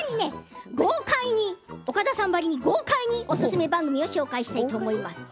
さらに豪快におすすめ番組を紹介したいと思います。